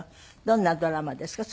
どんなドラマですか？